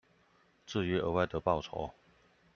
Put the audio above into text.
至於額外的報酬